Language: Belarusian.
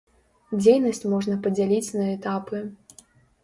Дзейнасць можна падзяліць на этапы.